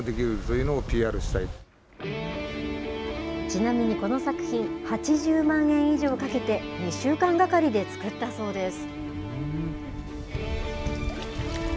ちなみに、この作品、８０万円以上かけて、２週間がかりで作ったそうです。